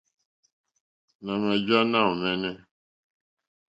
Nà mà jǎ náòmɛ́nɛ́.